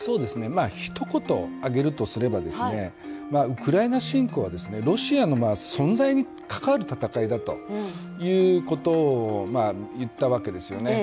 ひと言挙げるとすれば、ウクライナ侵攻はロシアの存在に関わる戦いだということを言ったわけですよね。